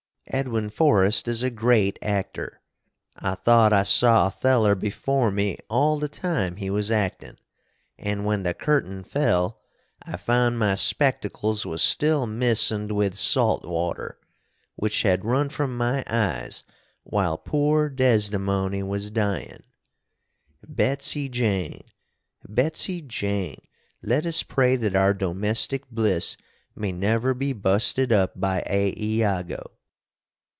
Edwin Forrest is a grate acter. I thot I saw Otheller before me all the time he was actin &, when the curtin fell, I found my spectacles was still mistened with salt water, which had run from my eyes while poor Desdemony was dyin. Betsy Jane Betsy Jane! let us pray that our domestic bliss may never be busted up by a Iago!